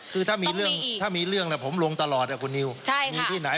ต้องมีอีกคือถ้ามีเรื่องผมลงตลอดครับขำนิ้วใช่ค่ะมีที่ไหน